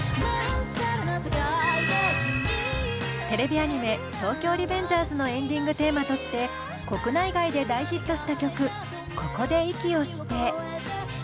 テレビアニメ「東京リベンジャーズ」のエンディングテーマとして国内外で大ヒットした曲「ここで息をして」。